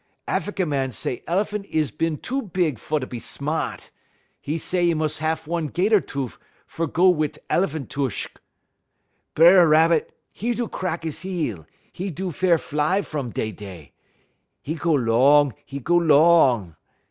Affiky mans say el'phan' is bin too big fer be sma't. 'E say 'e mus' haf one 'gater toof fer go wit' el'phan' tush. "B'er Rabbit, 'e do crack 'e heel; 'e do fair fly fum dey dey. 'E go 'long, 'e go 'long.